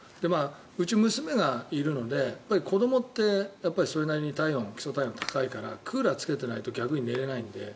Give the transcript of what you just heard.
うち、娘がいるので子どもってそれなりに基礎体温が高いからクーラーをつけていないと逆に寝れないので。